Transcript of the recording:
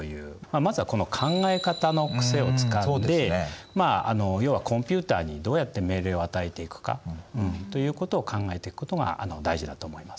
まずはこの考え方の癖をつかんで要はコンピュータにどうやって命令を与えていくかということを考えていくことが大事だと思います。